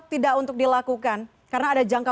tidak untuk dilakukan karena ada jangka